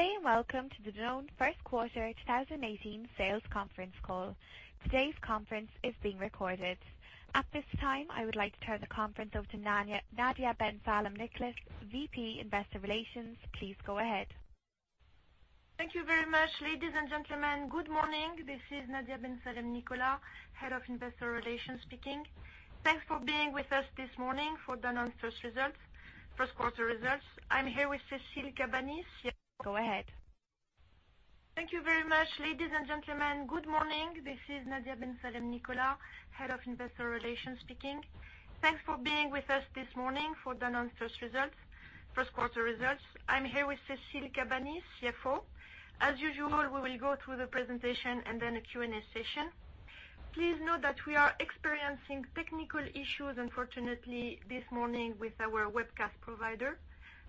Good day. Welcome to the Danone first quarter 2018 sales conference call. Today's conference is being recorded. At this time, I would like to turn the conference over to Nadia Ben Salem-Nicolas, VP Investor Relations. Please go ahead. Thank you very much. Ladies and gentlemen, good morning. This is Nadia Ben Salem-Nicolas, Head of Investor Relations speaking. Thanks for being with us this morning for Danone's first quarter results. I am here with Cécile Cabanis, CFO. As usual, we will go through the presentation. Then a Q&A session. Please note that we are experiencing technical issues, unfortunately, this morning with our webcast provider.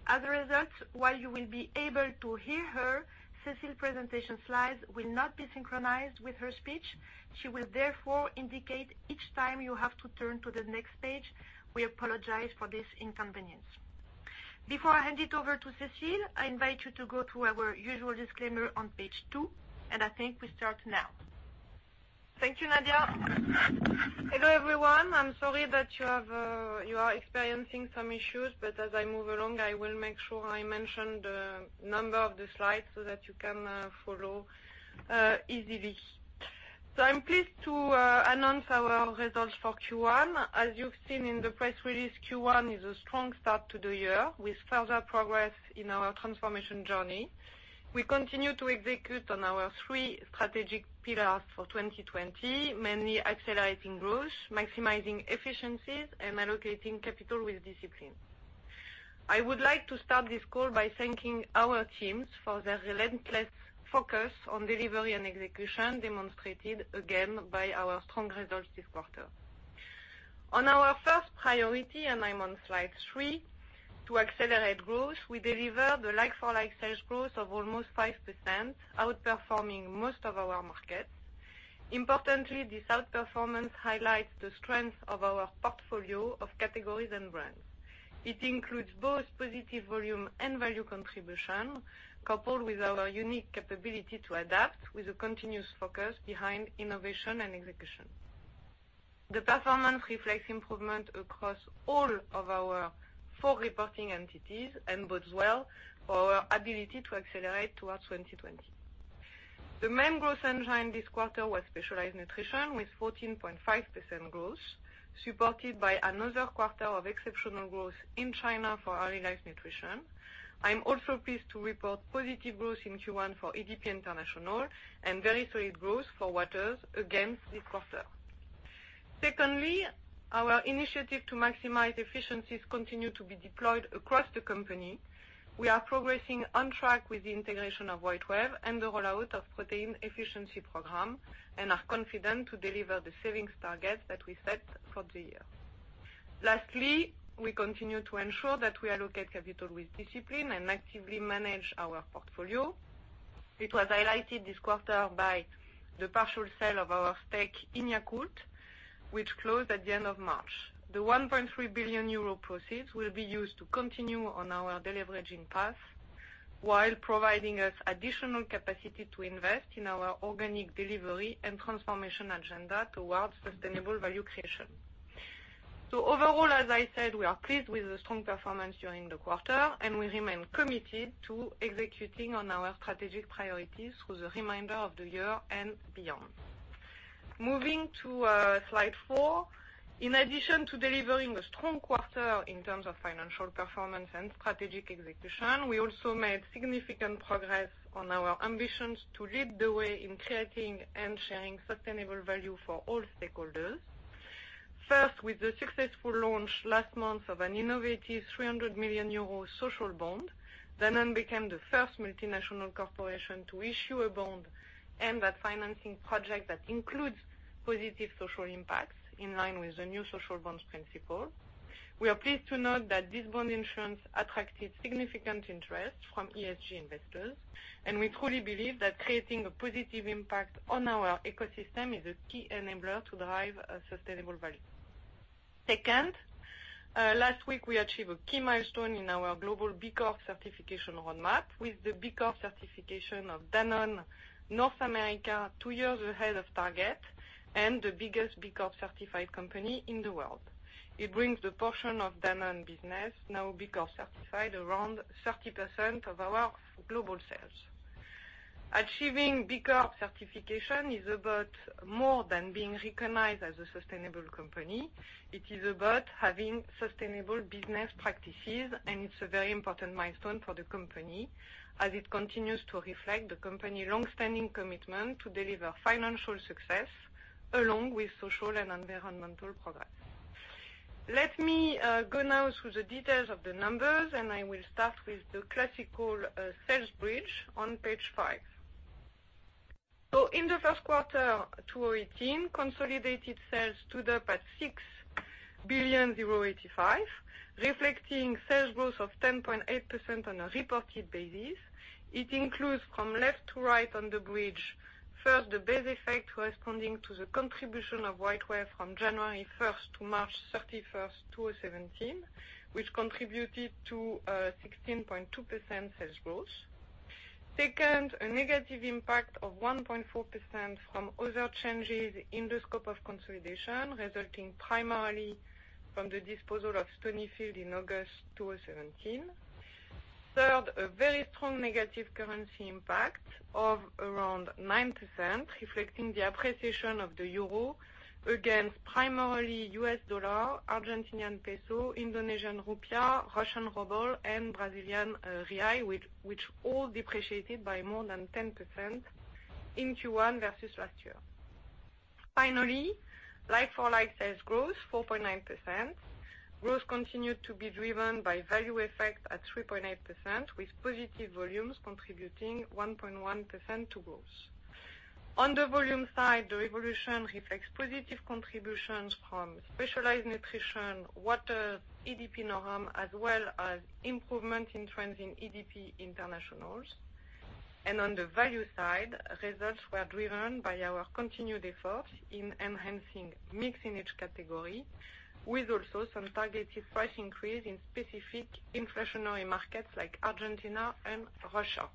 As a result, while you will be able to hear her, Cécile presentation slides will not be synchronized with her speech. She will therefore indicate each time you have to turn to the next page. We apologize for this inconvenience. Before I hand it over to Cécile, I invite you to go through our usual disclaimer on page two. I think we start now. Thank you, Nadia. Hello, everyone. I am sorry that you are experiencing some issues. As I move along, I will make sure I mention the number of the slides so that you can follow easily. I am pleased to announce our results for Q1. As you have seen in the press release, Q1 is a strong start to the year with further progress in our transformation journey. We continue to execute on our three strategic pillars for 2020, mainly accelerating growth, maximizing efficiencies, and allocating capital with discipline. I would like to start this call by thanking our teams for their relentless focus on delivery and execution, demonstrated again by our strong results this quarter. On our first priority, I am on slide three, to accelerate growth, we deliver the like-for-like sales growth of almost 5%, outperforming most of our markets. Importantly, this outperformance highlights the strength of our portfolio of categories and brands. It includes both positive volume and value contribution, coupled with our unique capability to adapt with a continuous focus behind innovation and execution. The performance reflects improvement across all of our four reporting entities and bodes well for our ability to accelerate towards 2020. The main growth engine this quarter was Specialized Nutrition, with 14.5% growth, supported by another quarter of exceptional growth in China for Early Life Nutrition. I am also pleased to report positive growth in Q1 for EDP International and very solid growth for Waters against this quarter. Secondly, our initiative to maximize efficiencies continues to be deployed across the company. We are progressing on track with the integration of WhiteWave and the rollout of Protein efficiency program and are confident to deliver the savings targets that we set for the year. Lastly, we continue to ensure that we allocate capital with discipline and actively manage our portfolio. It was highlighted this quarter by the partial sale of our stake in Yakult, which closed at the end of March. The 1.3 billion euro proceeds will be used to continue on our deleveraging path while providing us additional capacity to invest in our organic delivery and transformation agenda towards sustainable value creation. Overall, as I said, we are pleased with the strong performance during the quarter, and we remain committed to executing on our strategic priorities through the remainder of the year and beyond. Moving to slide four. In addition to delivering a strong quarter in terms of financial performance and strategic execution, we also made significant progress on our ambitions to lead the way in creating and sharing sustainable value for all stakeholders. First, with the successful launch last month of an innovative 300 million euro social bond, Danone became the first multinational corporation to issue a bond and that financing project that includes positive social impacts in line with the new social bonds principle. We are pleased to note that this bond insurance attracted significant interest from ESG investors, and we truly believe that creating a positive impact on our ecosystem is a key enabler to drive a sustainable value. Second, last week, we achieved a key milestone in our global B Corp certification roadmap with the B Corp certification of Danone North America, two years ahead of target and the biggest B Corp certified company in the world. It brings the portion of Danone business now B Corp certified around 30% of our global sales. Achieving B Corp certification is about more than being recognized as a sustainable company. It is about having sustainable business practices, and it's a very important milestone for the company as it continues to reflect the company long-standing commitment to deliver financial success along with social and environmental progress. Let me go now through the details of the numbers. I will start with the classical sales bridge on page five. In the first quarter 2018, consolidated sales stood up at 6.085 billion euro, reflecting sales growth of 10.8% on a reported basis. It includes from left to right on the bridge, first, the base effect corresponding to the contribution of WhiteWave from January 1st to March 31st, 2017, which contributed to a 16.2% sales growth. Second, a negative impact of 1.4% from other changes in the scope of consolidation, resulting primarily from the disposal of Stonyfield in August 2017. Third, a very strong negative currency impact of around 9%, reflecting the appreciation of the euro against primarily US dollar, Argentinian peso, Indonesian rupiah, Russian ruble, and Brazilian real, which all depreciated by more than 10% in Q1 versus last year. Finally, like-for-like sales growth, 4.9%. Growth continued to be driven by value effect at 3.8%, with positive volumes contributing 1.1% to growth. On the volume side, the evolution reflects positive contributions from Specialized Nutrition, Waters, EDP Noram, as well as improvement in trends in EDP International. On the value side, results were driven by our continued efforts in enhancing mix in each category, with also some targeted price increase in specific inflationary markets like Argentina and Russia.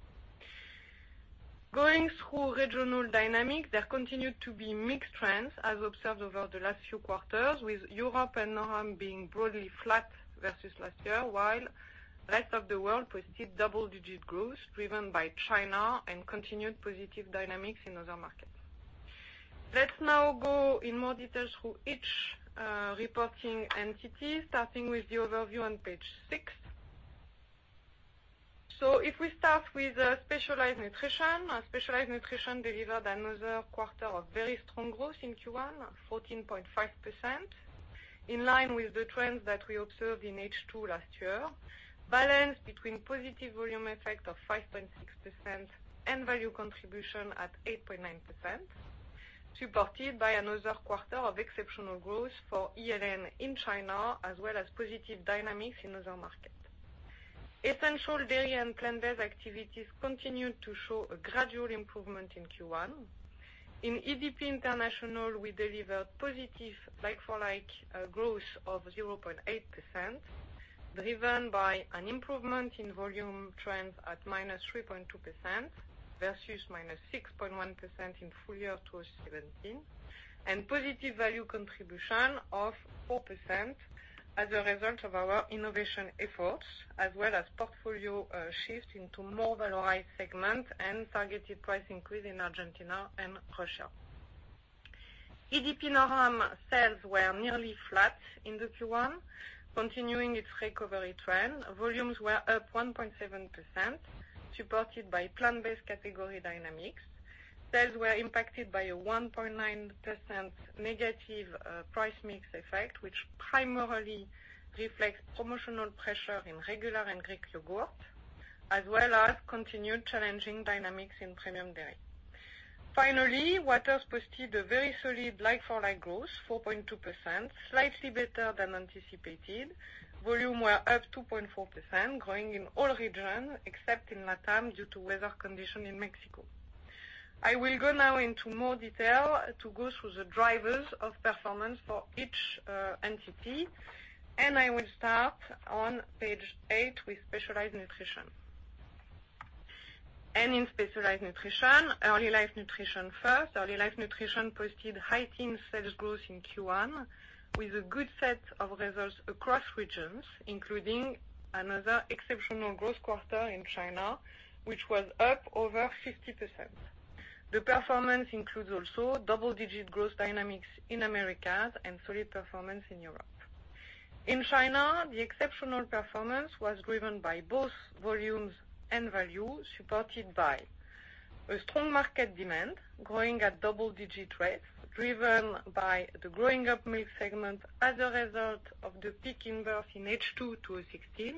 Going through regional dynamics, there continued to be mixed trends as observed over the last few quarters, with Europe and Noram being broadly flat versus last year, while rest of the world posted double-digit growth driven by China and continued positive dynamics in other markets. Let's now go in more detail through each reporting entity, starting with the overview on page six. If we start with Specialized Nutrition, Specialized Nutrition delivered another quarter of very strong growth in Q1, 14.5%, in line with the trends that we observed in H2 last year, balanced between positive volume effect of 5.6% and value contribution at 8.9%, supported by another quarter of exceptional growth for ELN in China, as well as positive dynamics in other markets. Essential dairy and plant-based activities continued to show a gradual improvement in Q1. In EDP International, we delivered positive like-for-like growth of 0.8%, driven by an improvement in volume trends at -3.2% versus -6.1% in full year 2017, and positive value contribution of 4% as a result of our innovation efforts, as well as portfolio shift into more valorized segments and targeted price increase in Argentina and Russia. EDP Noram sales were nearly flat in the Q1, continuing its recovery trend. Volumes were up 1.7%, supported by plant-based category dynamics. Sales were impacted by a 1.9% negative price mix effect, which primarily reflects promotional pressure in regular and Greek yogurt, as well as continued challenging dynamics in premium dairy. Finally, Waters posted a very solid like-for-like growth, 4.2%, slightly better than anticipated. Volume were up 2.4%, growing in all regions except in LATAM due to weather condition in Mexico. I will go now into more detail to go through the drivers of performance for each entity, I will start on page eight with Specialized Nutrition. In Specialized Nutrition, Early Life Nutrition first. Early Life Nutrition posted high teen sales growth in Q1 with a good set of results across regions, including another exceptional growth quarter in China, which was up over 50%. The performance includes also double-digit growth dynamics in Americas and solid performance in Europe. In China, the exceptional performance was driven by both volumes and value, supported by a strong market demand growing at double-digit rates, driven by the growing up milk segment as a result of the peak in birth in H2 2016,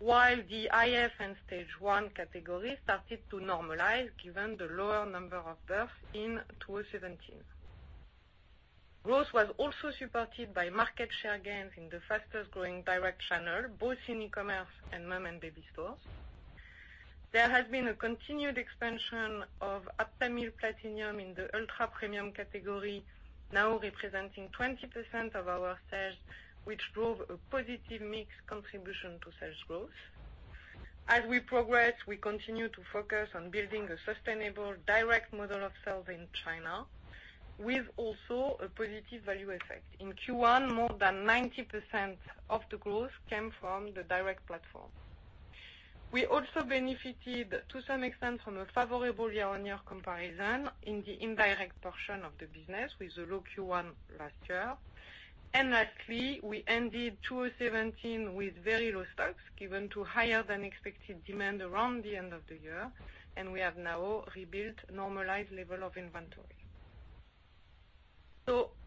while the IF and stage 1 category started to normalize given the lower number of births in 2017. Growth was also supported by market share gains in the fastest growing direct channel, both in e-commerce and mom and baby stores. There has been a continued expansion of Aptamil Platinum in the ultra-premium category, now representing 20% of our sales, which drove a positive mix contribution to sales growth. As we progress, we continue to focus on building a sustainable direct model of sales in China with also a positive value effect. In Q1, more than 90% of the growth came from the direct platform. We also benefited to some extent from a favorable year-on-year comparison in the indirect portion of the business with the low Q1 last year. Lastly, we ended 2017 with very low stocks given to higher than expected demand around the end of the year, and we have now rebuilt normalized level of inventory.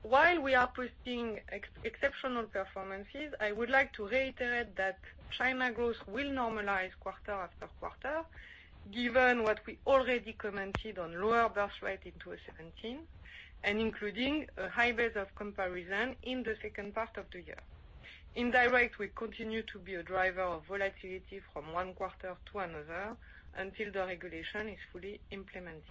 While we are posting exceptional performances, I would like to reiterate that China growth will normalize quarter after quarter given what we already commented on lower birth rate in 2017 and including a high base of comparison in the second part of the year. Indirect will continue to be a driver of volatility from one quarter to another until the regulation is fully implemented.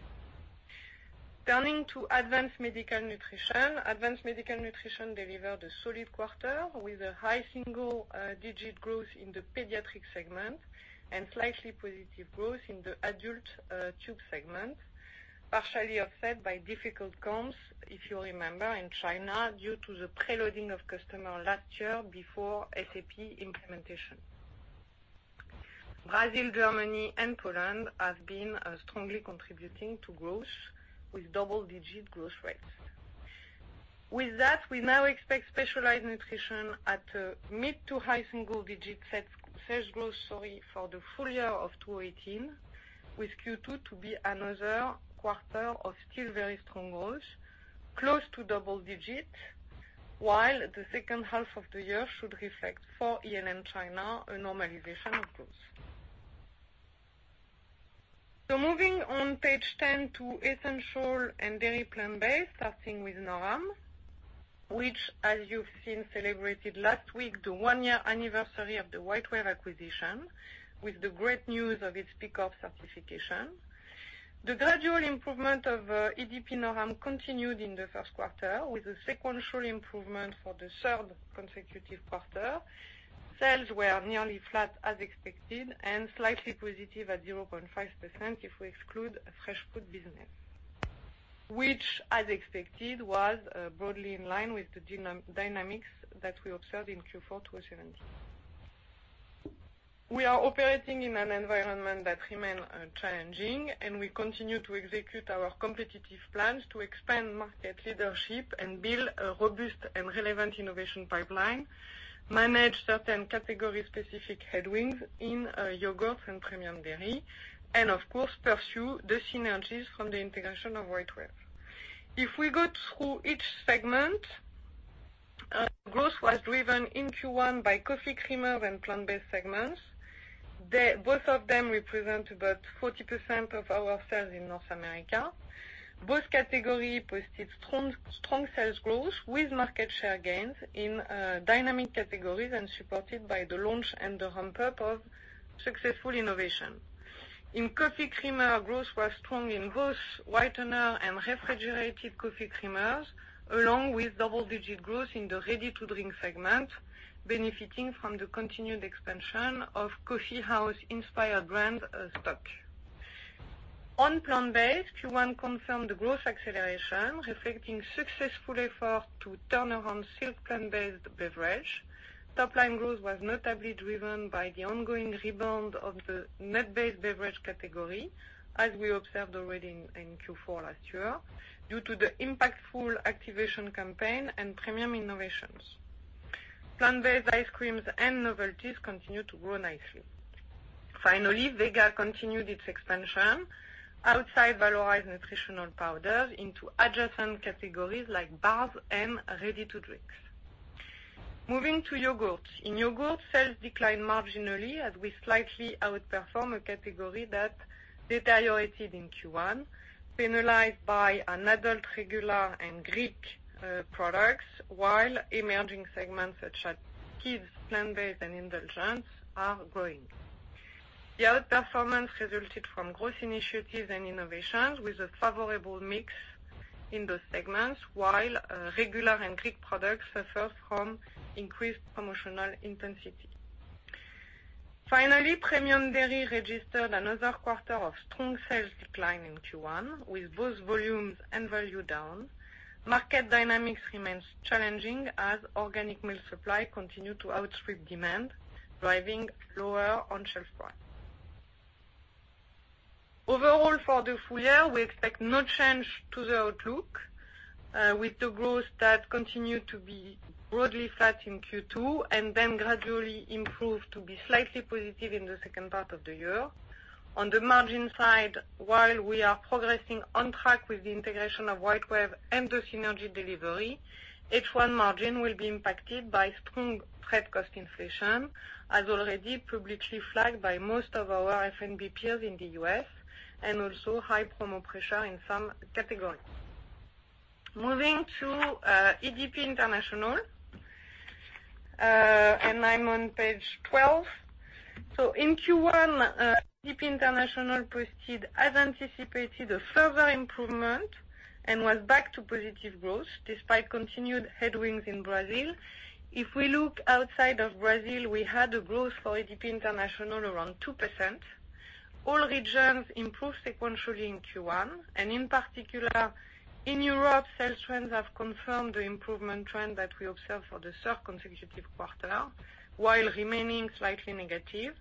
Turning to Advanced Medical Nutrition. Advanced Medical Nutrition delivered a solid quarter with a high single-digit growth in the pediatric segment and slightly positive growth in the adult tube segment, partially offset by difficult comps, if you remember in China, due to the pre-loading of customer last year before SAP implementation. Brazil, Germany, and Poland have been strongly contributing to growth with double-digit growth rates. With that, we now expect Specialized Nutrition at mid to high single-digit sales growth for the full year of 2018, with Q2 to be another quarter of still very strong growth, close to double digit, while the second half of the year should reflect for ELN China, a normalization of growth. Moving on page 10 to Essential Dairy & Plant-Based, starting with Noram, which, as you've seen, celebrated last week, the one-year anniversary of the WhiteWave acquisition with the great news of its B Corp certification. The gradual improvement of EDP Noram continued in the first quarter with a sequential improvement for the third consecutive quarter. Sales were nearly flat as expected and slightly positive at 0.5% if we exclude fresh food business, which as expected, was broadly in line with the dynamics that we observed in Q4 2017. We are operating in an environment that remains challenging, and we continue to execute our competitive plans to expand market leadership and build a robust and relevant innovation pipeline, manage certain category-specific headwinds in yogurt and premium dairy, and of course pursue the synergies from the integration of WhiteWave. If we go through each segment, growth was driven in Q1 by coffee creamers and plant-based segments. Both of them represent about 40% of our sales in North America. Both categories posted strong sales growth with market share gains in dynamic categories and supported by the launch and the ramp-up of successful innovation. In coffee creamer, growth was strong in both whitener and refrigerated coffee creamers, along with double-digit growth in the ready-to-drink segment, benefiting from the continued expansion of coffee house-inspired brands STōK. On plant-based, Q1 confirmed the growth acceleration, reflecting successful effort to turn around Silk Plant-based Beverage. Topline growth was notably driven by the ongoing rebound of the nut-based beverage category, as we observed already in Q4 last year, due to the impactful activation campaign and premium innovations. Plant-based ice creams and novelties continue to grow nicely. Vega continued its expansion outside valorized nutritional powders into adjacent categories like bars and ready to drinks. Moving to yogurt. In yogurt, sales declined marginally as we slightly outperform a category that deteriorated in Q1, penalized by adult, regular, and Greek products, while emerging segments such as kids, plant-based, and indulgence are growing. The outperformance resulted from growth initiatives and innovations with a favorable mix in those segments, while regular and Greek products suffer from increased promotional intensity. Premium dairy registered another quarter of strong sales decline in Q1, with both volumes and value down. Market dynamics remains challenging as organic milk supply continue to outstrip demand, driving lower on-shelf price. Overall for the full year, we expect no change to the outlook, with the growth that continue to be broadly flat in Q2 and then gradually improve to be slightly positive in the second part of the year. On the margin side, while we are progressing on track with the integration of WhiteWave and the synergy delivery, H1 margin will be impacted by strong freight cost inflation, as already publicly flagged by most of our F&B peers in the U.S., and also high promo pressure in some categories. Moving to EDP International, I'm on page 12. In Q1, EDP International posted as anticipated a further improvement and was back to positive growth despite continued headwinds in Brazil. If we look outside of Brazil, we had a growth for EDP International around 2%. All regions improved sequentially in Q1. In particular in Europe, sales trends have confirmed the improvement trend that we observe for the third consecutive quarter, while remaining slightly negative.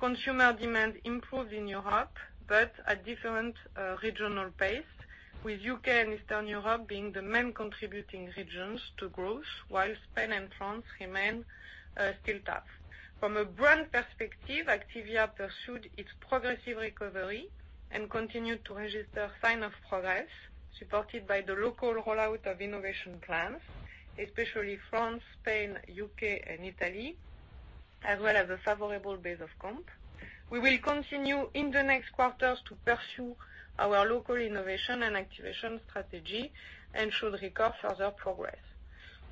Consumer demand improved in Europe, but at different regional pace, with U.K. and Eastern Europe being the main contributing regions to growth, while Spain and France remain still tough. From a brand perspective, Activia pursued its progressive recovery and continued to register sign of progress supported by the local rollout of innovation plans, especially France, Spain, U.K., and Italy. As well as a favorable base of comp. We will continue in the next quarters to pursue our local innovation and activation strategy and should record further progress.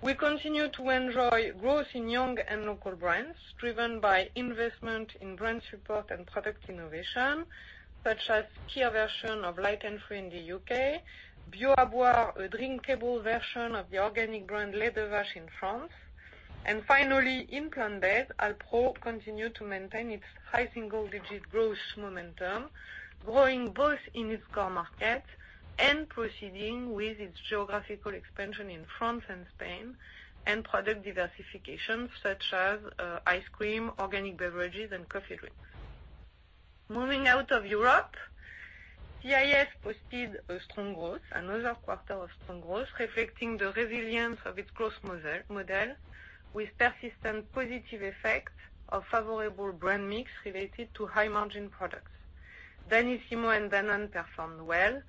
We continue to enjoy growth in young and local brands, driven by investment in brand support and product innovation, such as key version of Light & Free in the U.K. Bio à Boire, a drinkable version of the organic brand Les 2 Vaches in France. Finally, in Plant-based, Alpro continued to maintain its high single-digit growth momentum, growing both in its core market and proceeding with its geographical expansion in France and Spain, and product diversification such as ice cream, organic beverages, and coffee drinks. Moving out of Europe, CIS posted a strong growth, another quarter of strong growth, reflecting the resilience of its growth model, with persistent positive effect of favorable brand mix related to high margin products. Danissimo and Danone performed well,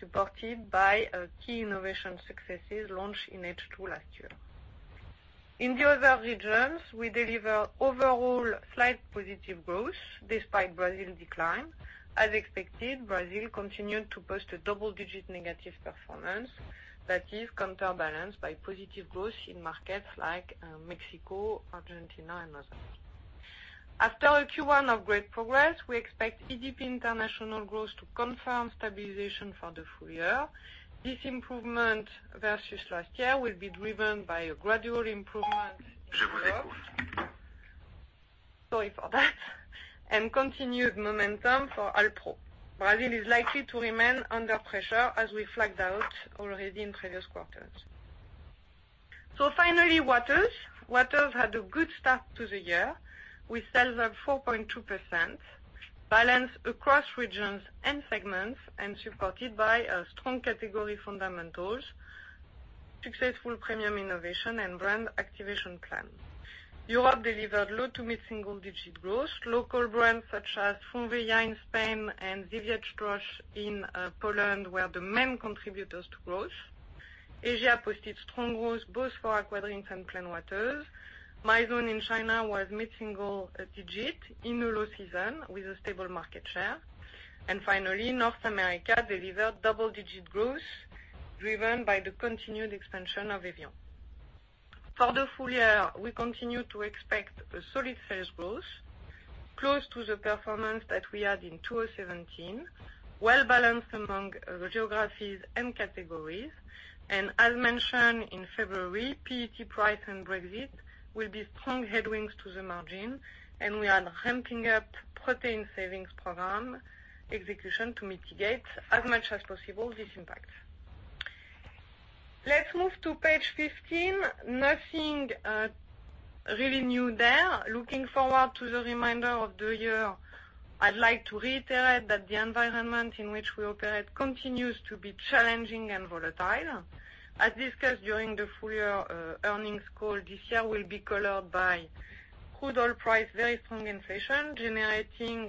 supported by key innovation successes launched in H2 last year. In the other regions, we deliver overall slight positive growth despite Brazil decline. As expected, Brazil continued to post a double-digit negative performance that is counterbalanced by positive growth in markets like Mexico, Argentina, and others. After a Q1 of great progress, we expect EDP International growth to confirm stabilization for the full year. This improvement versus last year will be driven by a gradual improvement in Europe. Sorry for that. Continued momentum for Alpro. Brazil is likely to remain under pressure as we flagged out already in previous quarters. Finally, Waters. Waters had a good start to the year, with sales up 4.2%, balanced across regions and segments, and supported by strong category fundamentals, successful premium innovation, and brand activation plan. Europe delivered low to mid single-digit growth. Local brands such as Font Vella in Spain and Żywiec Zdrój in Poland were the main contributors to growth. Asia posted strong growth both for aqua drinks and plain waters. Mizone in China was mid-single-digit in the low season with a stable market share. Finally, North America delivered double-digit growth driven by the continued expansion of evian. For the full year, we continue to expect a solid sales growth close to the performance that we had in 2017, well-balanced among the geographies and categories. As mentioned in February, PET price and Brexit will be strong headwinds to the margin, and we are ramping up Protein savings program execution to mitigate as much as possible this impact. Let's move to page 15. Nothing really new there. Looking forward to the reminder of the year, I'd like to reiterate that the environment in which we operate continues to be challenging and volatile. As discussed during the full year earnings call, this year will be colored by crude oil price, very strong inflation, generating,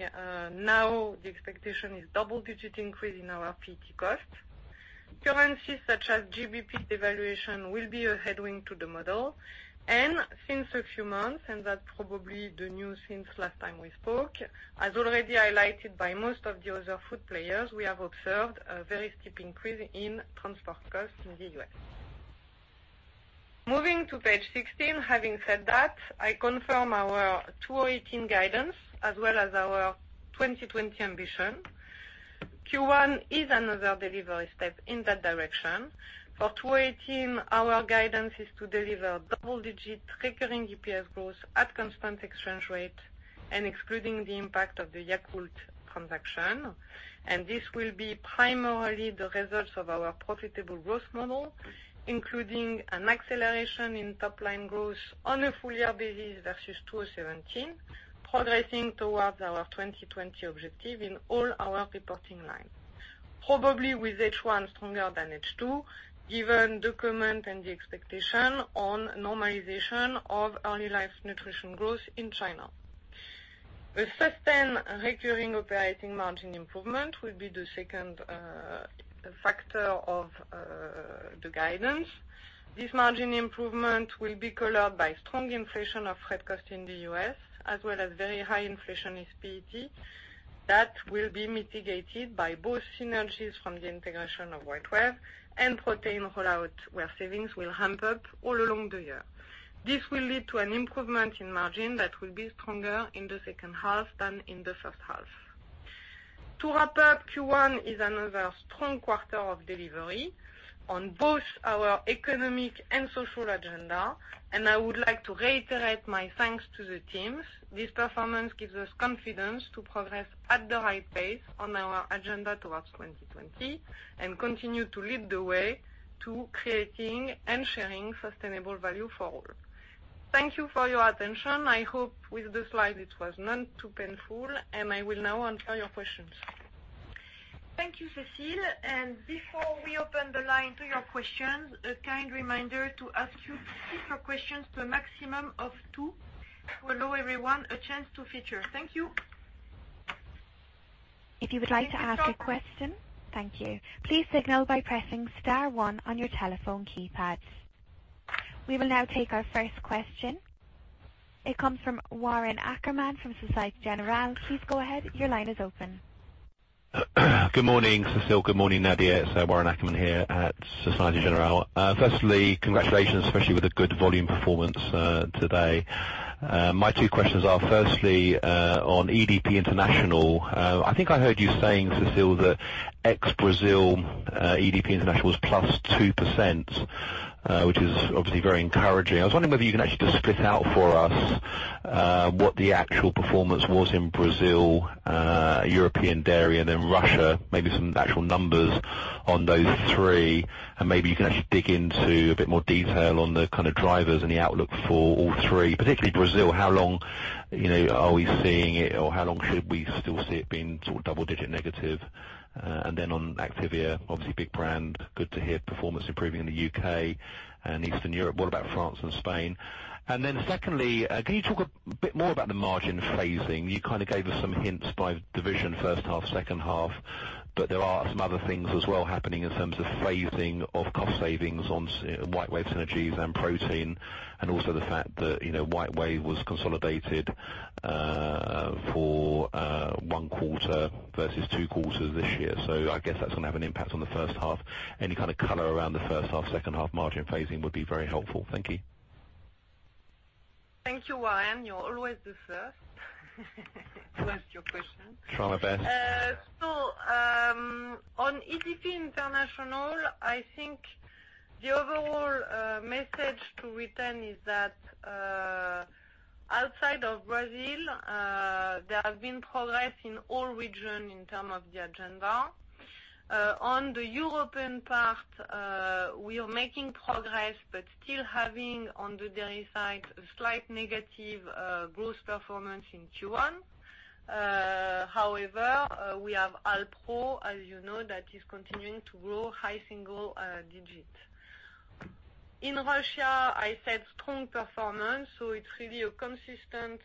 now the expectation is double-digit increase in our PET cost. Currencies such as GBP devaluation will be a headwind to the model. Since a few months, and that's probably the news since last time we spoke, as already highlighted by most of the other food players, we have observed a very steep increase in transport costs in the U.S. Moving to page 16, having said that, I confirm our 2018 guidance as well as our 2020 ambition. Q1 is another delivery step in that direction. For 2018, our guidance is to deliver double-digit recurring EPS growth at constant exchange rate and excluding the impact of the Yakult transaction. This will be primarily the results of our profitable growth model, including an acceleration in top-line growth on a full-year basis versus 2017, progressing towards our 2020 objective in all our reporting lines. Probably with H1 stronger than H2, given the comment and the expectation on normalization of Early Life Nutrition growth in China. The sustained recurring operating margin improvement will be the second factor of the guidance. This margin improvement will be colored by strong inflation of freight cost in the U.S., as well as very high inflation in PET that will be mitigated by both synergies from the integration of WhiteWave and Protein rollout, where savings will ramp up all along the year. This will lead to an improvement in margin that will be stronger in the second half than in the first half. To wrap up, Q1 is another strong quarter of delivery on both our economic and social agenda, I would like to reiterate my thanks to the teams. This performance gives us confidence to progress at the right pace on our agenda towards 2020 and continue to lead the way to creating and sharing sustainable value for all. Thank you for your attention. I hope with the slides it was not too painful, I will now answer your questions. Thank you, Cécile. Before we open the line to your questions, a kind reminder to ask you to keep your questions to a maximum of two to allow everyone a chance to feature. Thank you. If you would like to ask a question, thank you, please signal by pressing star one on your telephone keypads. We will now take our first question. It comes from Warren Ackerman from Societe Generale. Please go ahead. Your line is open. Good morning, Cécile. Good morning, Nadia. It's Warren Ackerman here at Societe Generale. Firstly, congratulations, especially with the good volume performance today. My two questions are, firstly, on EDP International. I think I heard you saying, Cécile, that ex-Brazil EDP International was +2%, which is obviously very encouraging. I was wondering whether you can actually just split out for us what the actual performance was in Brazil, European dairy, and then Russia. Maybe some actual numbers on those three, and maybe you can actually dig into a bit more detail on the kind of drivers and the outlook for all three, particularly Brazil. How long are we seeing it, or how long should we still see it being double digit negative? Then on Activia, obviously big brand, good to hear performance improving in the U.K. and Eastern Europe. What about France and Spain? Secondly, can you talk a bit more about the margin phasing? You gave us some hints by division, first half, second half, but there are some other things as well happening in terms of phasing of cost savings on WhiteWave synergies and Protein, and also the fact that WhiteWave was consolidated for one quarter versus two quarters this year. I guess that's going to have an impact on the first half. Any kind of color around the first half, second half margin phasing would be very helpful. Thank you. Thank you, Warren. You're always the first to ask your question. Trying my best. On EDP International, I think the overall message to retain is that, outside of Brazil, there has been progress in all region in terms of the agenda. On the European part, we are making progress, but still having, on the dairy side, a slight negative growth performance in Q1. However, we have Alpro, as you know, that is continuing to grow high single digit. In Russia, I said strong performance, it's really a consistent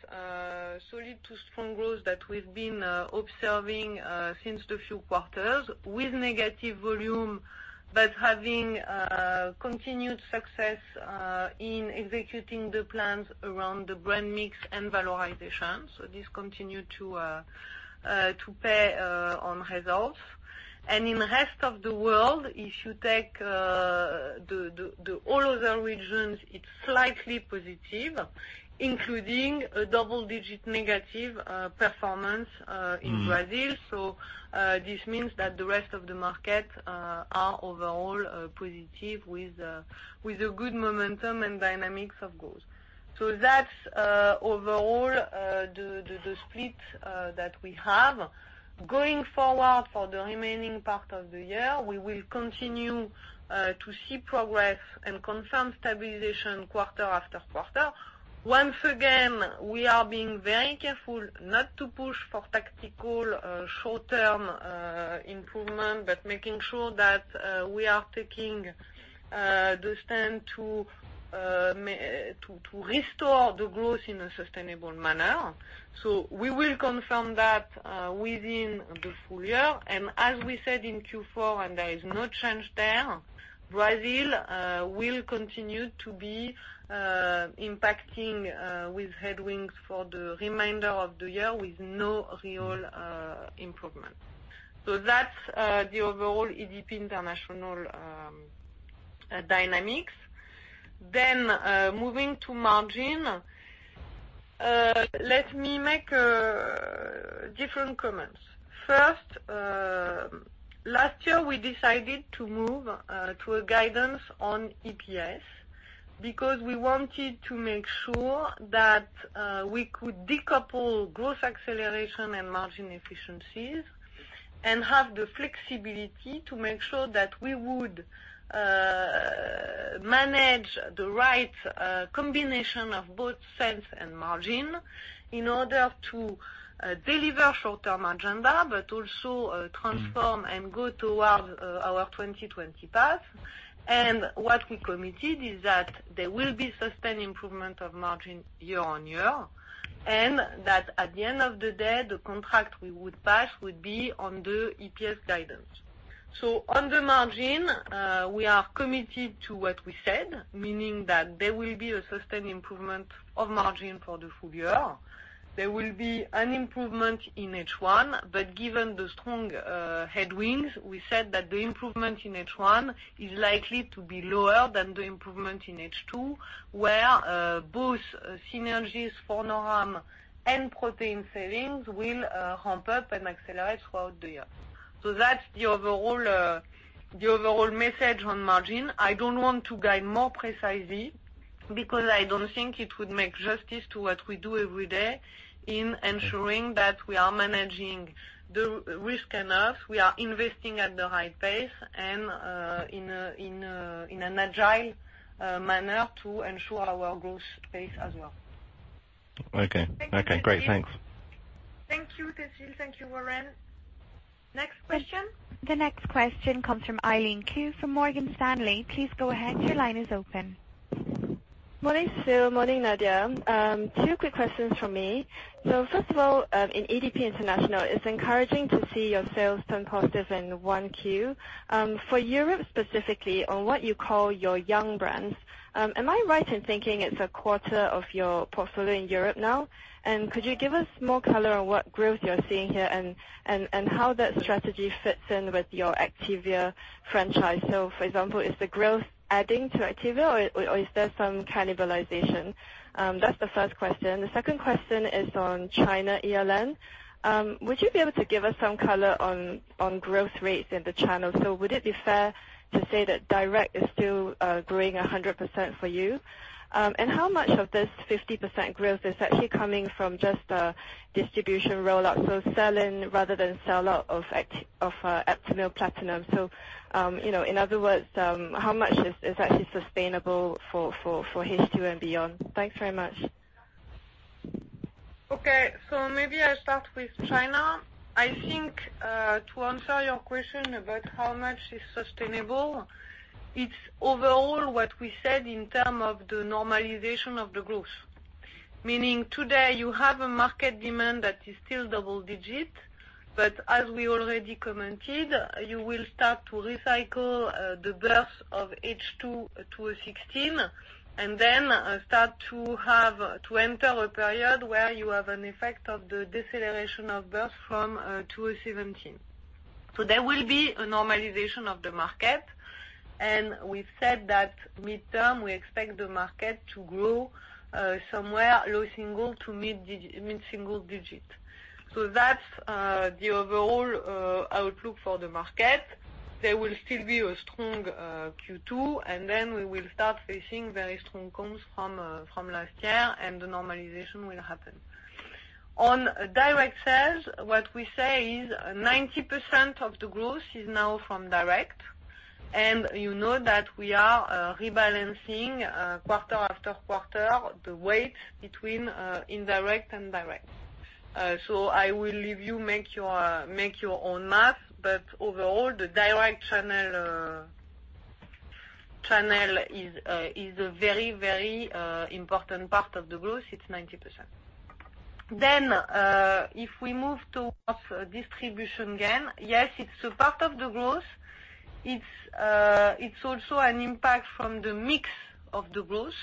solid to strong growth that we've been observing since the few quarters with negative volume, but having continued success in executing the plans around the brand mix and valorization. This continues to pay on results. In the rest of the world, if you take all other regions, it's slightly positive, including a double-digit negative performance in Brazil. This means that the rest of the market is overall positive with a good momentum and dynamics of growth. That's overall the split that we have. Going forward for the remaining part of the year, we will continue to see progress and confirm stabilization quarter after quarter. Once again, we are being very careful not to push for tactical short-term improvement, but making sure that we are taking the stand to restore the growth in a sustainable manner. We will confirm that within the full year. As we said in Q4, and there is no change there, Brazil will continue to be impacted with headwinds for the remainder of the year with no real improvement. That's the overall EDP International dynamics. Moving to margin, let me make different comments. First, last year we decided to move to a guidance on EPS because we wanted to make sure that we could decouple growth acceleration and margin efficiencies and have the flexibility to make sure that we would manage the right combination of both sales and margin in order to deliver short-term agenda, but also transform and go toward our 2020 path. What we committed is that there will be sustained improvement of margin year-on-year, and that at the end of the day, the contract we would pass would be on the EPS guidance. On the margin, we are committed to what we said, meaning that there will be a sustained improvement of margin for the full year. There will be an improvement in H1, but given the strong headwinds, we said that the improvement in H1 is likely to be lower than the improvement in H2, where both synergies for Noram and Protein savings will ramp up and accelerate throughout the year. That's the overall message on margin. I don't want to guide more precisely because I don't think it would make justice to what we do every day in ensuring that we are managing the risk enough, we are investing at the right pace, and in an agile manner to ensure our growth pace as well. Okay. Great. Thanks. Thank you, Cécile. Thank you, Warren. Next question. The next question comes from Eileen Khoo from Morgan Stanley. Please go ahead. Your line is open. Morning, Cécile. Morning, Nadia. Two quick questions from me. First of all, in EDP International, it's encouraging to see your sales turn positive in one Q. For Europe specifically, on what you call your young brands, am I right in thinking it's a quarter of your portfolio in Europe now? Could you give us more color on what growth you're seeing here and how that strategy fits in with your Activia franchise? For example, is the growth adding to Activia or is there some cannibalization? That's the first question. The second question is on China ELN. Would you be able to give us some color on growth rates in the channel? Would it be fair to say that direct is still growing 100% for you? How much of this 50% growth is actually coming from just a distribution rollout, sell-in rather than sell out of Aptamil Platinum? In other words, how much is actually sustainable for H2 and beyond? Thanks very much. Okay, maybe I start with China. I think, to answer your question about how much is sustainable, it's overall what we said in term of the normalization of the growth. Meaning today you have a market demand that is still double digit, but as we already commented, you will start to recycle the births of H2, 2016, and then start to enter a period where you have an effect of the deceleration of births from 2017. There will be a normalization of the market, and we've said that mid-term we expect the market to grow somewhere low single to mid single digit. That's the overall outlook for the market. There will still be a strong Q2, and then we will start facing very strong comps from last year and the normalization will happen. On direct sales, what we say is 90% of the growth is now from direct, and you know that we are rebalancing quarter after quarter, the weight between indirect and direct. I will leave you make your own math, but overall, the direct channel is a very important part of the growth. It's 90%. If we move towards distribution gain, yes, it's a part of the growth. It's also an impact from the mix of the growth,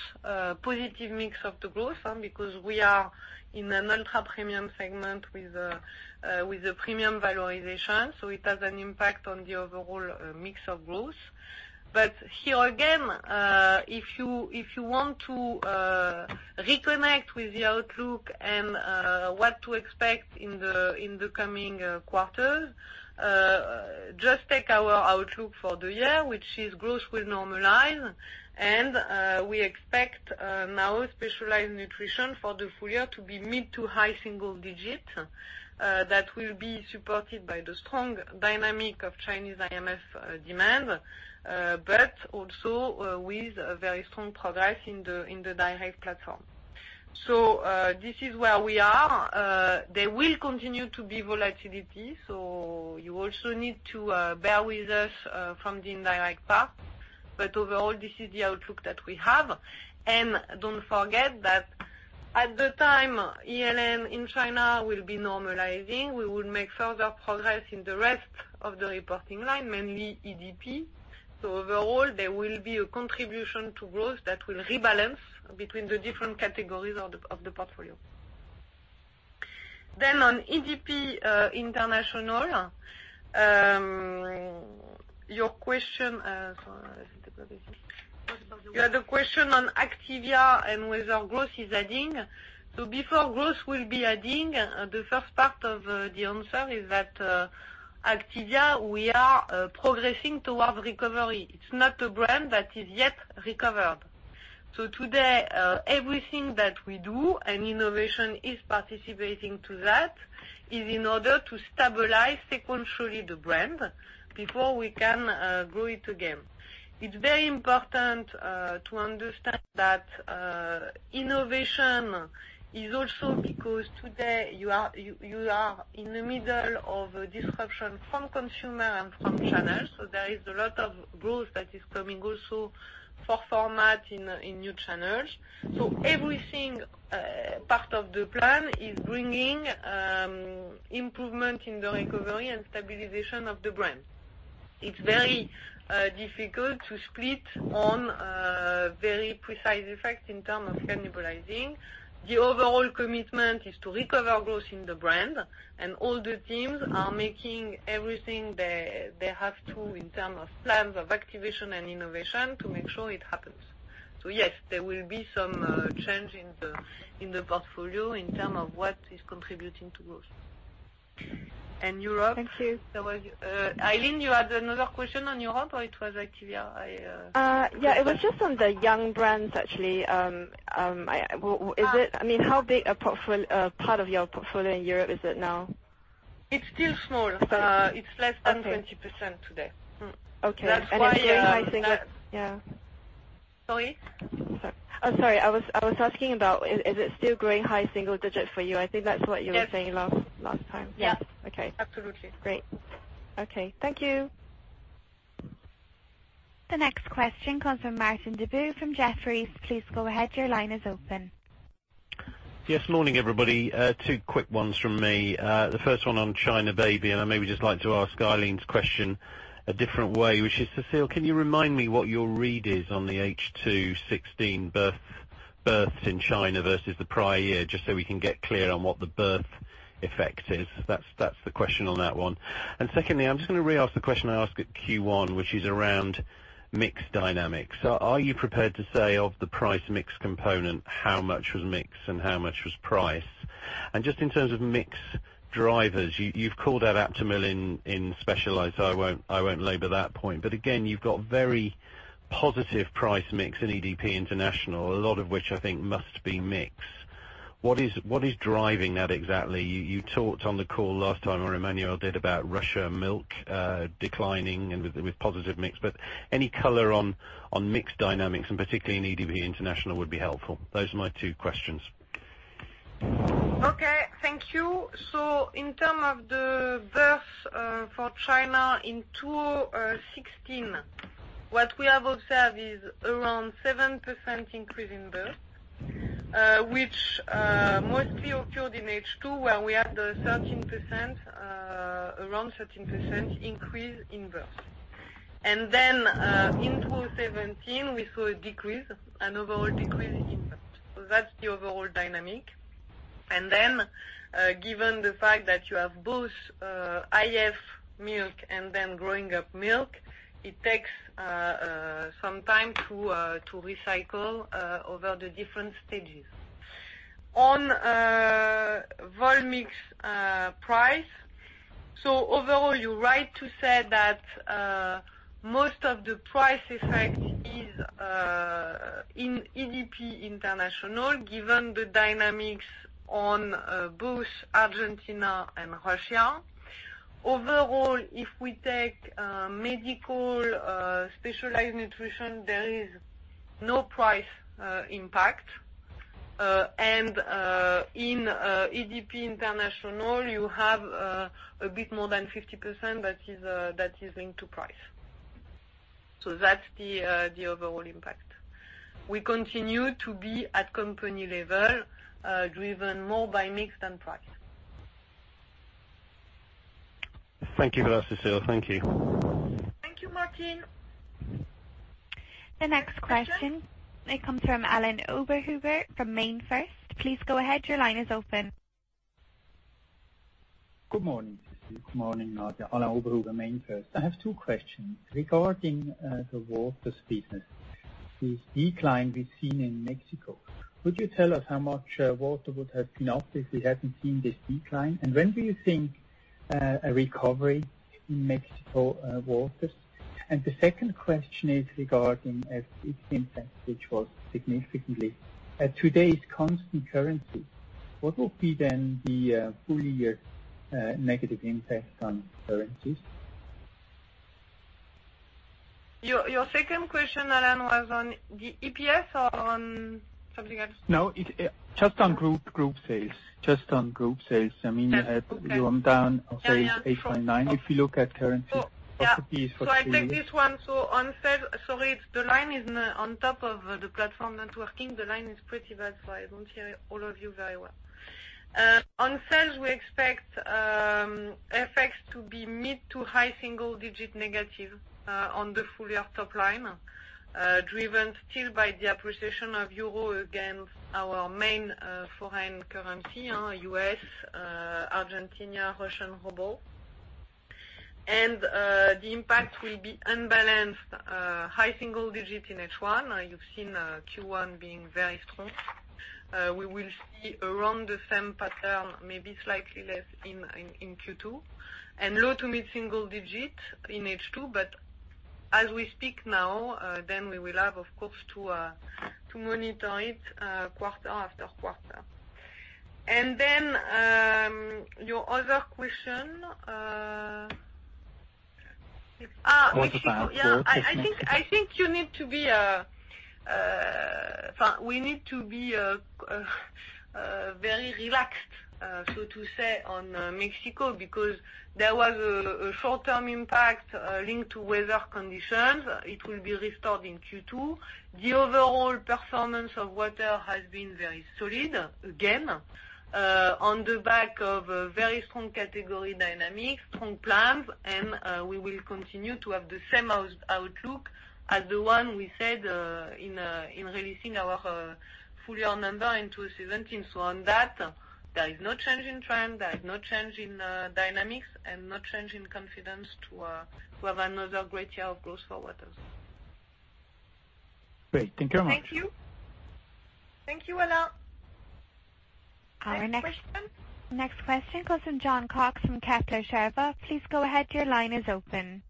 positive mix of the growth because we are in an ultra-premium segment with the premium valorization, so it has an impact on the overall mix of growth. Here again, if you want to reconnect with the outlook and what to expect in the coming quarters, just take our outlook for the year, which is growth will normalize and we expect now Specialized Nutrition for the full year to be mid to high single digit. That will be supported by the strong dynamic of Chinese IMF demand, but also with very strong progress in the direct platform. This is where we are. There will continue to be volatility, so you also need to bear with us from the indirect part. Overall, this is the outlook that we have. Don't forget that at the time ELN in China will be normalizing, we will make further progress in the rest of the reporting line, mainly EDP. Overall, there will be a contribution to growth that will rebalance between the different categories of the portfolio. On EDP International, your question on Activia and whether growth is adding. Before growth will be adding, the first part of the answer is that Activia, we are progressing towards recovery. It's not a brand that is yet recovered. Today, everything that we do and innovation is participating to that, is in order to stabilize sequentially the brand before we can grow it again. It's very important to understand that innovation is also because today you are in the middle of a disruption from consumer and from channels. There is a lot of growth that is coming also for format in new channels. Everything part of the plan is bringing improvement in the recovery and stabilization of the brand. It's very difficult to split on very precise effects in terms of cannibalizing. The overall commitment is to recover growth in the brand, and all the teams are making everything they have to in terms of plans of activation and innovation to make sure it happens. Yes, there will be some change in the portfolio in terms of what is contributing to growth. Europe. Thank you. Eileen, you had another question on Europe, or it was Activia? Yeah. It was just on the young brands, actually. How big a part of your portfolio in Europe is it now? It's still small. Okay. It's less than 20% today. Okay. It's very high single- That's why Yeah. Sorry? Oh, sorry. I was asking about is it still growing high single digit for you? I think that's what you were saying last time. Yes. Okay. Absolutely. Great. Okay. Thank you. The next question comes from Martin Deboo from Jefferies. Please go ahead. Your line is open. Morning, everybody. Two quick ones from me. The first one on China, baby, I maybe just like to ask Eileen's question a different way, which is, Cécile, can you remind me what your read is on the H2 2016 births in China versus the prior year, just so we can get clear on what the birth effect is? That is the question on that one. Secondly, I am just going to re-ask the question I asked at Q1, which is around mix dynamics. Are you prepared to say of the price mix component how much was mix and how much was price? Just in terms of mix drivers, you have called out Aptamil in Specialized, so I will not labor that point. Again, you have got very positive price mix in EDP International, a lot of which I think must be mix. What is driving that exactly? You talked on the call last time, or Emmanuel did, about Russia milk declining and with positive mix, any color on mix dynamics, and particularly in EDP International, would be helpful. Those are my two questions. Okay. Thank you. In terms of the birth for China in 2016, what we have observed is around 7% increase in birth, which mostly occurred in H2, where we had around 13% increase in birth. In 2017, we saw an overall decrease in birth. That's the overall dynamic. Given the fact that you have both IF milk and then growing up milk, it takes some time to recycle over the different stages. On vol mix price, overall, you're right to say that most of the price effect is in EDP International, given the dynamics on both Argentina and Russia. Overall, if we take Medical especially Nutrition, there is no price impact. In EDP International, you have a bit more than 50% that is linked to price. That's the overall impact. We continue to be at company level, driven more by mix than price. Thank you for that, Cécile. Thank you. Thank you, Martin. The next question may come from Alain Oberhuber from MainFirst. Please go ahead. Your line is open. Good morning. Good morning, Nadia. Alain Oberhuber, MainFirst. I have two questions. Regarding the waters business, this decline we've seen in Mexico, could you tell us how much water would have been up if we hadn't seen this decline? When do you think a recovery in Mexico waters? The second question is regarding FX impact, which was At today's constant currency, what will be the full year negative impact on currencies? Your second question, Alain, was on the EPS or on something else? No, just on group sales. Okay You're down on page eight and nine. If you look at currency for [inaudible] for Q1. Yeah. I take this one. Sorry, the line is on top of the platform not working. The line is pretty bad, I don't hear all of you very well. On sales, we expect effects to be mid to high single digit negative on the full-year top line, driven still by the appreciation of EUR against our main foreign currency, U.S. dollar, Argentinian peso, Russian ruble. The impact will be unbalanced high single digit in H1. You've seen Q1 being very strong. We will see around the same pattern, maybe slightly less in Q2, low to mid single digit in H2. As we speak now, we will have, of course, to monitor it quarter after quarter. Your other question- Water side, sorry. Yeah. I think we need to be very relaxed, so to say, on Mexico because there was a short-term impact linked to weather conditions. It will be restored in Q2. The overall performance of water has been very solid, again, on the back of very strong category dynamics, strong plans. We will continue to have the same outlook as the one we said in releasing our full-year number in 2017. On that, there is no change in trend, there is no change in dynamics, no change in confidence to have another great year of growth for waters. Great. Thank you very much. Thank you. Thank you, Alain. Our next- Next question Next question goes to Jon Cox from Kepler Cheuvreux. Please go ahead. Your line is open.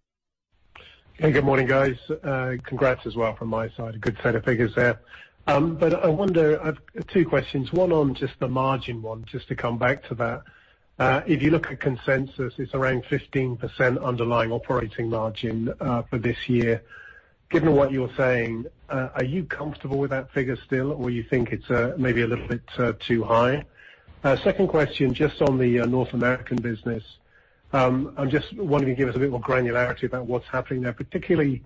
Hey, good morning, guys. Congrats as well from my side. A good set of figures there. I wonder, I have two questions, one on just the margin one, just to come back to that. If you look at consensus, it is around 15% underlying operating margin for this year. Given what you are saying, are you comfortable with that figure still, or you think it is maybe a little bit too high? Second question, just on the North American business. I am just wondering, give us a bit more granularity about what is happening there, particularly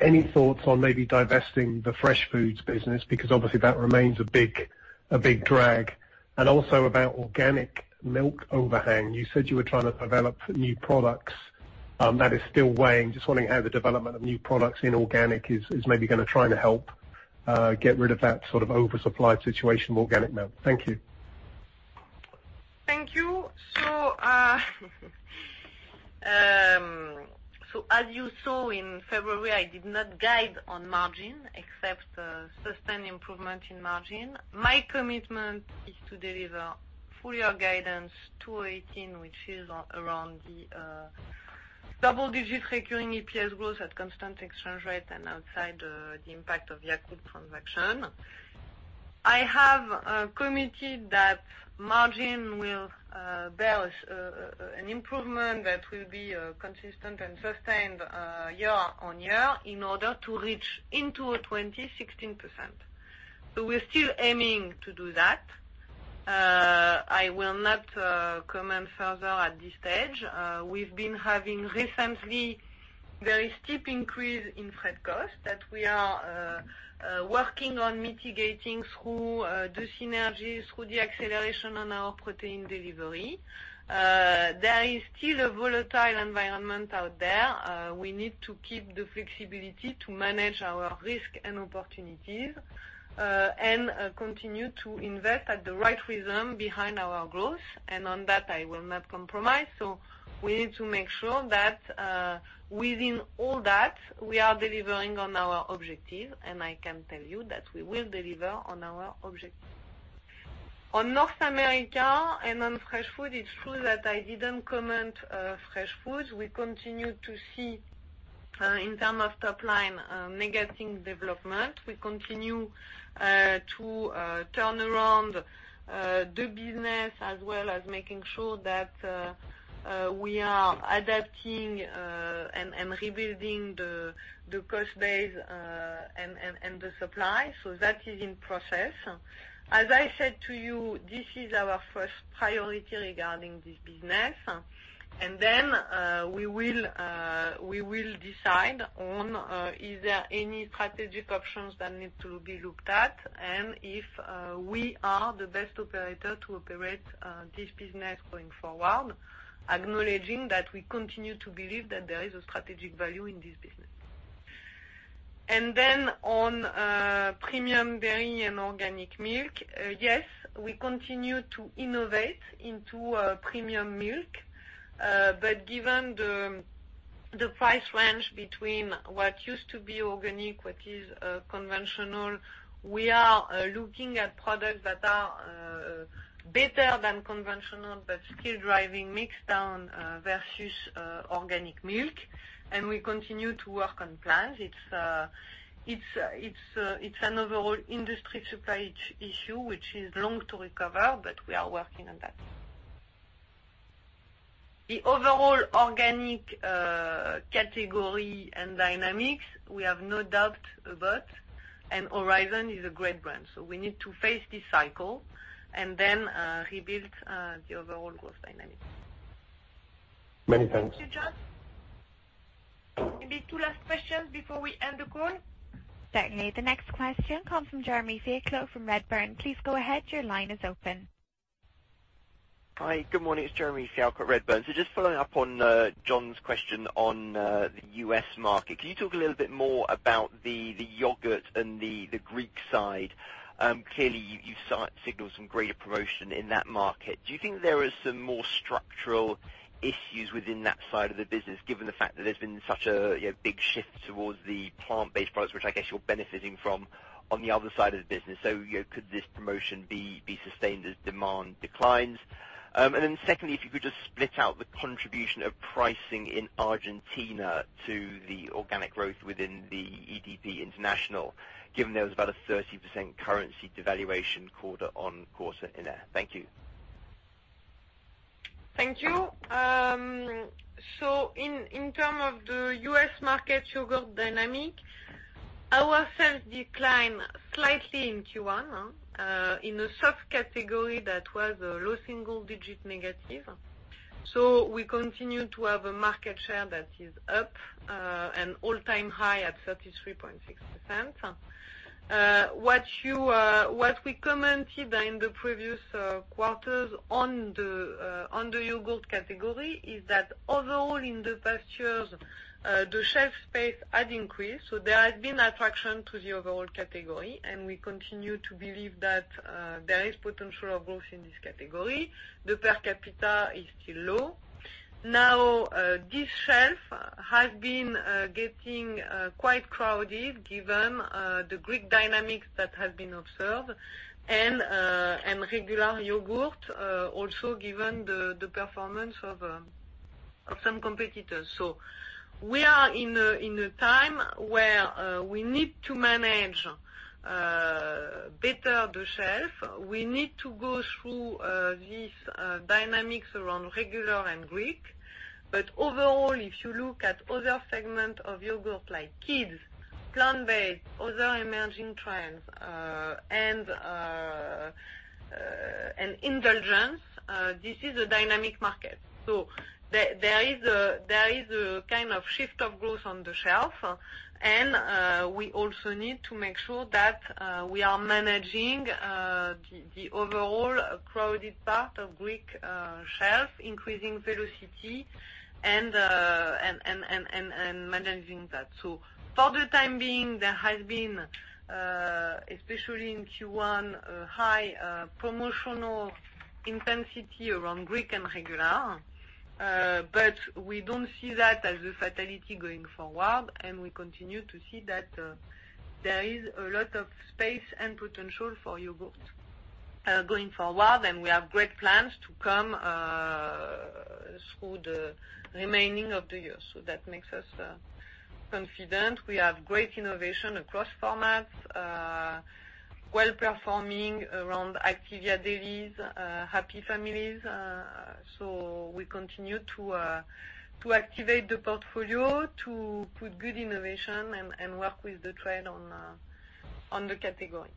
any thoughts on maybe divesting the fresh foods business, because obviously that remains a big drag. Also about organic milk overhang. You said you were trying to develop new products. That is still weighing. Just wondering how the development of new products in organic is maybe going to try to help get rid of that sort of oversupply situation with organic milk. Thank you. Thank you. As you saw in February, I did not guide on margin except sustained improvement in margin. My commitment is to deliver full-year guidance 2018, which is around the double-digit recurring EPS growth at constant exchange rate and outside the impact of Yakult transaction. I have committed that margin will bear an improvement that will be consistent and sustained year-on-year in order to reach into 16%. We are still aiming to do that. I will not comment further at this stage. We have been having recently very steep increase in freight cost that we are working on mitigating through the synergies, through the acceleration on our Protein delivery. There is still a volatile environment out there. We need to keep the flexibility to manage our risk and opportunities, and continue to invest at the right rhythm behind our growth. On that, I will not compromise. We need to make sure that, within all that, we are delivering on our objective. I can tell you that we will deliver on our objective. On North America and on fresh food, it is true that I didn't comment fresh foods. We continue to see, in terms of top line, negative development. We continue to turn around the business as well as making sure that we are adapting and rebuilding the cost base and the supply. That is in process. As I said to you, this is our first priority regarding this business. We will decide on, is there any strategic options that need to be looked at? If we are the best operator to operate this business going forward, acknowledging that we continue to believe that there is a strategic value in this business. On premium dairy and organic milk, yes, we continue to innovate into premium milk. Given the price range between what used to be organic, what is conventional, we are looking at products that are better than conventional, but still driving mix down versus organic milk. We continue to work on plans. It is an overall industry supply issue, which is long to recover, but we are working on that. The overall organic category and dynamics, we have no doubt about, and Horizon Organic is a great brand. We need to face this cycle and rebuild the overall growth dynamic. Many thanks. Thank you, Jon. Maybe two last questions before we end the call. Certainly. The next question comes from Jeremy Fialko from Redburn. Please go ahead. Your line is open. Hi, good morning. It's Jeremy Fialko at Redburn. Just following up on Jon's question on the U.S. market. Can you talk a little bit more about the yogurt and the Greek side? Clearly, you signaled some greater promotion in that market. Do you think there are some more structural issues within that side of the business, given the fact that there's been such a big shift towards the plant-based products, which I guess you're benefiting from on the other side of the business? Could this promotion be sustained as demand declines? Secondly, if you could just split out the contribution of pricing in Argentina to the organic growth within the EDP International, given there was about a 30% currency devaluation quarter-on-quarter in there. Thank you. Thank you. In terms of the U.S. market yogurt dynamic, our sales declined slightly in Q1, in a soft category that was a low single-digit negative. We continue to have a market share that is up, an all-time high at 33.6%. What we commented in the previous quarters on the yogurt category is that overall in the pastures, the shelf space had increased, there had been attraction to the overall category, and we continue to believe that there is potential of growth in this category. The per capita is still low. Now, this shelf has been getting quite crowded given the Greek dynamics that have been observed, and regular yogurt, also given the performance of some competitors. We are in a time where we need to manage better the shelf. We need to go through these dynamics around regular and Greek. Overall, if you look at other segments of yogurt like kids, plant-based, other emerging trends, and indulgence, this is a dynamic market. There is a kind of shift of growth on the shelf, and we also need to make sure that we are managing the overall crowded part of Greek shelf, increasing velocity, and managing that. For the time being, there has been, especially in Q1, a high promotional intensity around Greek and regular. We don't see that as a fatality going forward, and we continue to see that there is a lot of space and potential for yogurt going forward, and we have great plans to come through the remaining of the year. That makes us confident. We have great innovation across formats, well-performing around Activia Dailies, Happy Family. We continue to activate the portfolio to put good innovation and work with the trend on the category.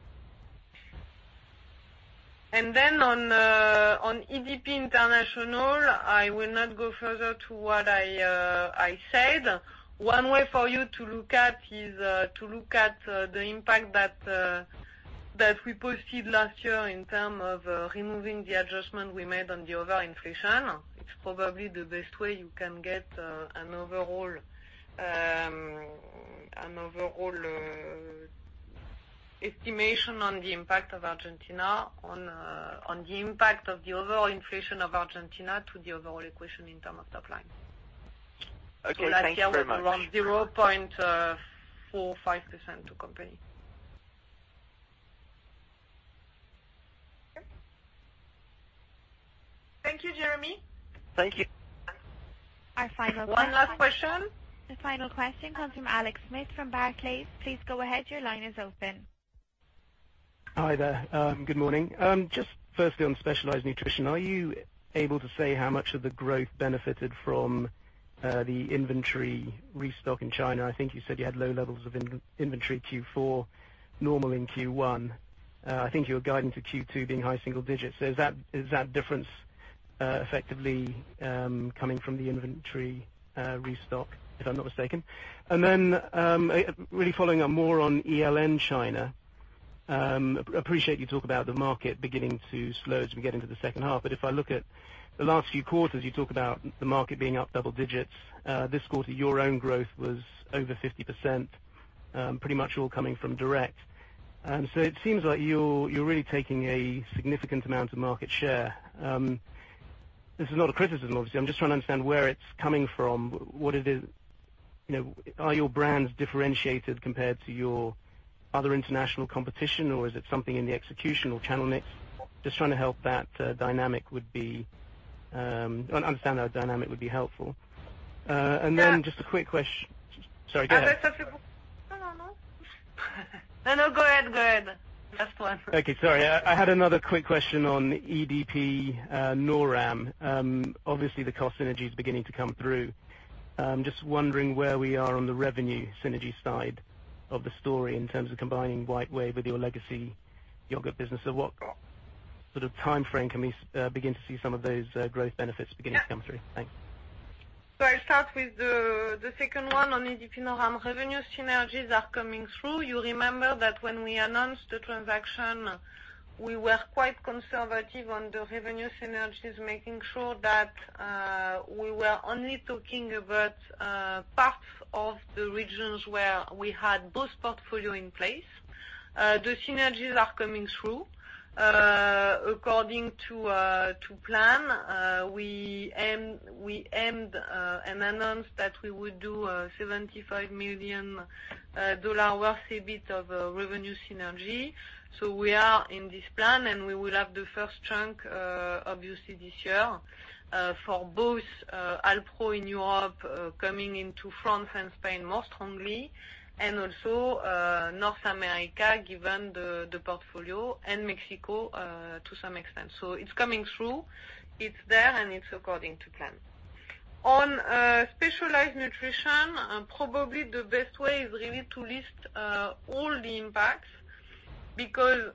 On EDP International, I will not go further to what I said. One way for you to look at is to look at the impact that we posted last year in terms of removing the adjustment we made on the overall inflation. It's probably the best way you can get an overall estimation on the impact of Argentina on the impact of the overall inflation of Argentina to the overall equation in terms of top line. Thank you very much. Last year was around 0.45% to company. Thank you, Jeremy. Thank you. Our final question. One last question. The final question comes from Alex Smith from Barclays. Please go ahead. Your line is open. Hi there. Good morning. Just firstly, on Specialized Nutrition, are you able to say how much of the growth benefited from the inventory restock in China? I think you said you had low levels of inventory Q4, normal in Q1. I think you were guiding to Q2 being high single digits. Is that difference effectively coming from the inventory restock, if I'm not mistaken? I appreciate you talk about the market beginning to slow as we get into the second half. If I look at the last few quarters, you talk about the market being up double digits. This quarter, your own growth was over 50%, pretty much all coming from direct. It seems like you're really taking a significant amount of market share. This is not a criticism, obviously. I'm just trying to understand where it's coming from. Are your brands differentiated compared to your other international competition, or is it something in the execution or channel mix? Understanding that dynamic would be helpful. Just a quick question. Sorry, go ahead. No, go ahead. Last one. Okay, sorry. I had another quick question on EDP Noram. Obviously, the cost synergy is beginning to come through. Just wondering where we are on the revenue synergy side of the story in terms of combining WhiteWave with your legacy yogurt business. What sort of timeframe can we begin to see some of those growth benefits beginning to come through? Thanks. I'll start with the second one on EDP Noram. Revenue synergies are coming through. You remember that when we announced the transaction, we were quite conservative on the revenue synergies, making sure that we were only talking about parts of the regions where we had both portfolio in place. The synergies are coming through. According to plan, we aimed and announced that we would do EUR 75 million worth a bit of revenue synergy. We are in this plan, and we will have the first chunk, obviously, this year, for both Alpro in Europe, coming into France and Spain more strongly, and also North America, given the portfolio, and Mexico, to some extent. It's coming through, it's there, and it's according to plan. On Specialized Nutrition, probably the best way is really to list all the impacts, because,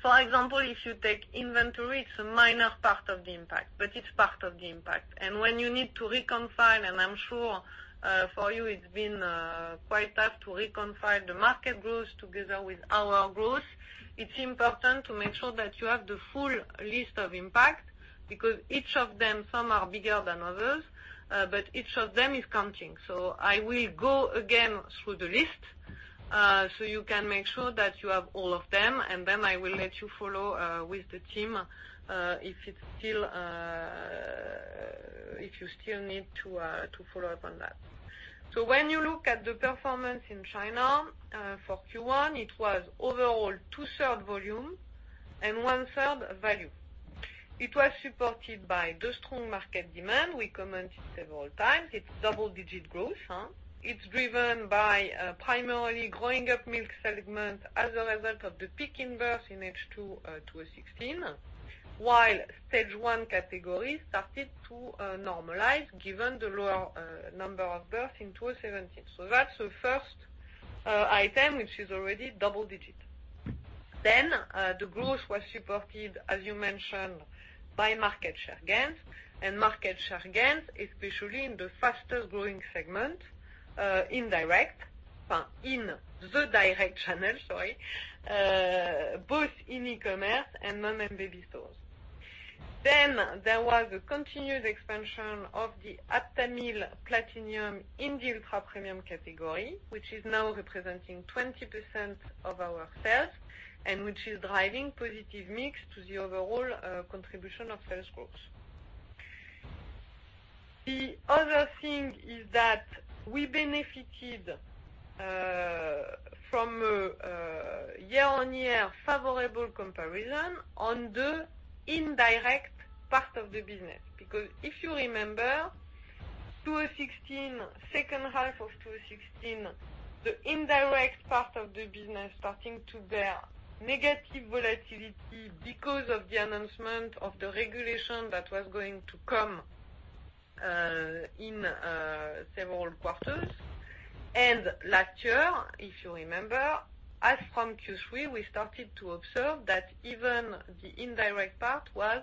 for example, if you take inventory, it's a minor part of the impact, but it's part of the impact. When you need to reconfirm, and I'm sure for you it's been quite tough to reconfirm the market growth together with our growth, it's important to make sure that you have the full list of impact, because each of them, some are bigger than others, but each of them is counting. I will go again through the list, so you can make sure that you have all of them, and then I will let you follow with the team, if you still need to follow up on that. When you look at the performance in China for Q1, it was overall two-third volume and one-third value. It was supported by the strong market demand. We commented several times, it's double-digit growth. It's driven by primarily growing up milk segment as a result of the peak in birth in H2 2016, while stage 1 category started to normalize given the lower number of births in 2017. That's the first item, which is already double-digit. The growth was supported, as you mentioned, by market share gains, and market share gains especially in the fastest-growing segment, in the direct channel, both in e-commerce and mom and baby stores. There was a continuous expansion of the Aptamil Platinum in the ultra-premium category, which is now representing 20% of our sales and which is driving positive mix to the overall contribution of sales growth. The other thing is that we benefited from a year-on-year favorable comparison on the indirect part of the business. If you remember, second half of 2016, the indirect part of the business starting to bear negative volatility because of the announcement of the regulation that was going to come in several quarters. Last year, if you remember, as from Q3, we started to observe that even the indirect part was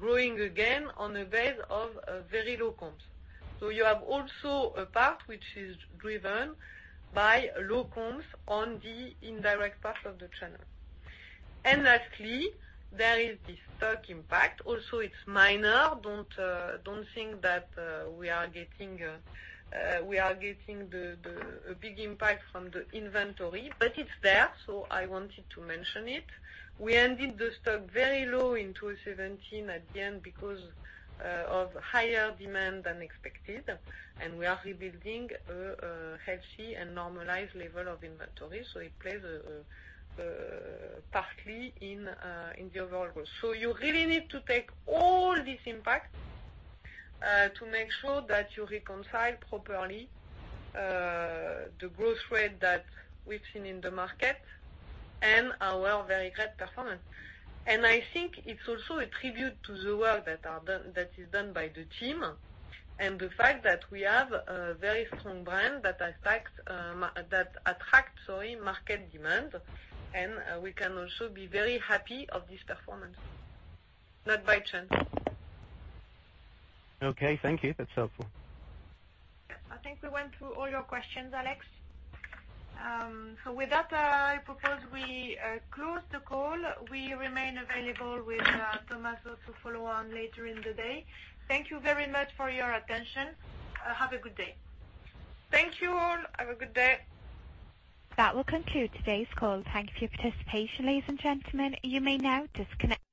growing again on the base of very low comps. You have also a part which is driven by low comps on the indirect part of the channel. Lastly, there is the STōK impact. Also, it's minor. Don't think that we are getting a big impact from the inventory, but it's there, so I wanted to mention it. We ended the STōK very low in 2017 at the end because of higher demand than expected, and we are rebuilding a healthy and normalized level of inventory. It plays partly in the overall growth. You really need to take all this impact to make sure that you reconcile properly the growth rate that we've seen in the market and our very great performance. I think it's also a tribute to the work that is done by the team and the fact that we have a very strong brand that attract market demand, and we can also be very happy of this performance. Not by chance. Okay. Thank you. That's helpful. I think we went through all your questions, Alex. With that, I propose we close the call. We remain available with Tommaso to follow on later in the day. Thank you very much for your attention. Have a good day. Thank you all. Have a good day. That will conclude today's call. Thank you for your participation, ladies and gentlemen. You may now disconnect.